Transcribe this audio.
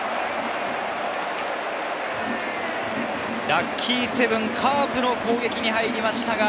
ラッキーセブン、カープの攻撃に入りました。